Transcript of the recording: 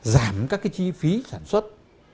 giảm các cái chi phí sản xuất